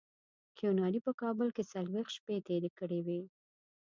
کیوناري په کابل کې څلوېښت شپې تېرې کړې وې.